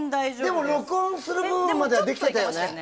でも、録音する部分までできてたよね？